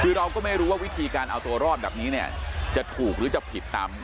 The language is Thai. คือเราก็ไม่รู้ว่าวิธีการเอาตัวรอดแบบนี้เนี่ยจะถูกหรือจะผิดตาม